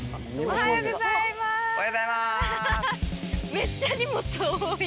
めっちゃ荷物多い。